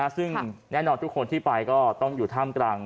ซึ่งแน่นอนทุกคนที่ไปก็ต้องอยู่ท่ามกลาง